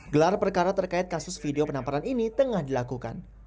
gelar perkara terkait kasus video penamparan ini tengah dilakukan